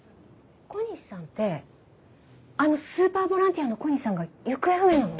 小西さんってあのスーパーボランティアの小西さんが行方不明なの？